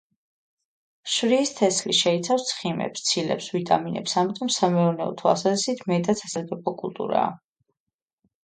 შვრიის თესლი შეიცავს ცხიმებს, ცილებს, ვიტამინებს, ამიტომ სამეურნეო თვალსაზრისით მეტად სასარგებლო კულტურაა.